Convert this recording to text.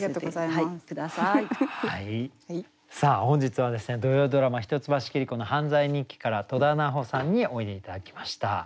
さあ本日は土曜ドラマ「一橋桐子の犯罪日記」から戸田菜穂さんにおいで頂きました。